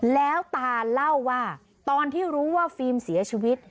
แล้วตาเล่าว่าตอนที่รู้ว่าฟิล์มเสียชีวิต